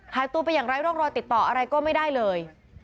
หายตัวไปอย่างไร้ร่องรอยติดต่ออะไรก็ไม่ได้เลย